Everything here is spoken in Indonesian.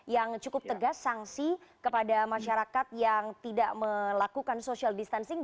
yang cukup tegas sanksi kepada masyarakat yang tidak melakukan social distancing